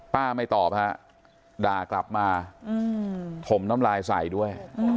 ไม่ตอบฮะด่ากลับมาถมน้ำลายใส่ด้วย